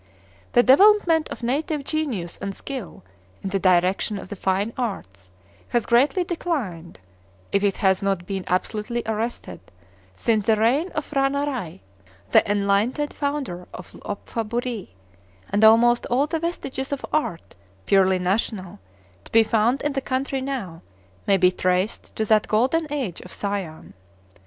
The development of native genius and skill, in the direction of the fine arts, has greatly declined, if it has not been absolutely arrested, since the reign of P'hra Narai, the enlightened founder of Lophaburee; and almost all the vestiges of art, purely national, to be found in the country now, may be traced to that golden age of Siam.